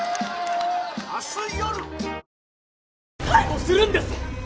逮捕するんです！